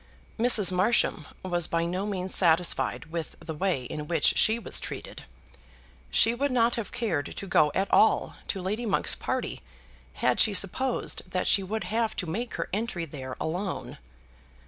Mrs. Marsham was by no means satisfied with the way in which she was treated. She would not have cared to go at all to Lady Monk's party had she supposed that she would have to make her entry there alone.